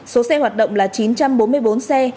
số xe hoạt động là chín trăm bốn mươi bốn xe